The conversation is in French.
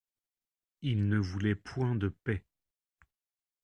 Il ne voulait point de paix.